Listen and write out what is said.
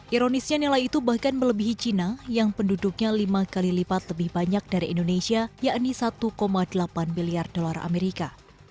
ironisnya nilai itu bahkan melebihi china yang penduduknya lima kali lipat lebih banyak dari indonesia yakni satu delapan miliar dolar amerika